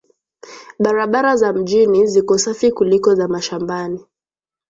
Barabara za mjini ziko safi kuliko za mashambani